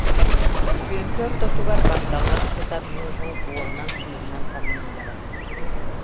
Чүөмпэ ортотугар багдаллан сытар мууһу буорунан-сыыһынан тамныыллара